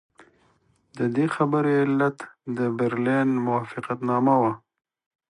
د دې خبرې علت د برلین موافقتنامه وه.